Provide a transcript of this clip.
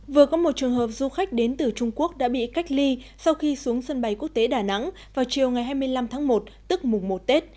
vừa có một trường hợp du khách đến từ trung quốc đã bị cách ly sau khi xuống sân bay quốc tế đà nẵng vào chiều ngày hai mươi năm tháng một tức mùng một tết